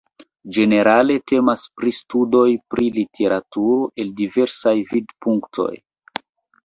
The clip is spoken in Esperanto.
Ĝenerale temas pri studoj pri literaturo el diversaj vidpunktoj.